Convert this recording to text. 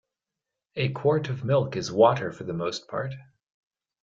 A quart of milk is water for the most part.